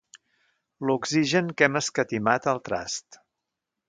L'oxigen que hem escatimat al trast.